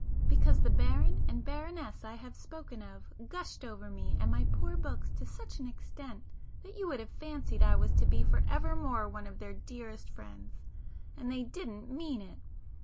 Because the baron and baroness I have spoken of 'gushed' over me and my poor books to such an extent that you would have fancied I was to be for evermore one of their dearest friends,—and they didn't mean it!